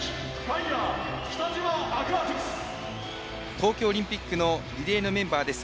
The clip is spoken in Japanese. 東京オリンピックのリレーのメンバーです。